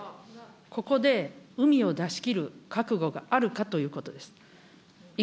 ここでうみを出し切る覚悟があるかということです。